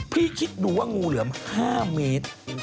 คิดดูว่างูเหลือม๕เมตร